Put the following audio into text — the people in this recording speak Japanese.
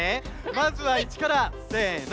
まずは１からせの！